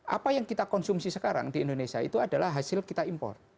apa yang kita konsumsi sekarang di indonesia itu adalah hasil kita impor